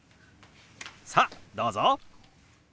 さあどうぞ！